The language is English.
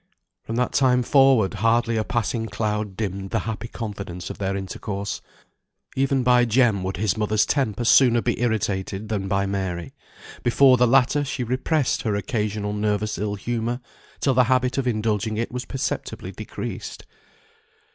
From that time forward, hardly a passing cloud dimmed the happy confidence of their intercourse; even by Jem would his mother's temper sooner be irritated than by Mary; before the latter she repressed her occasional nervous ill humour till the habit of indulging it was perceptibly decreased.